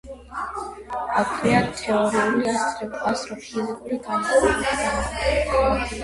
აქვეა თეორიული ასტროფიზიკური განყოფილებაც.